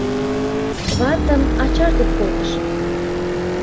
Ватым ачаж дек колтышым.